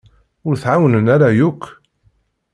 Ur t-εawnen ara yakk.